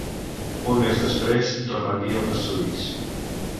Un més després reprenia els estudis.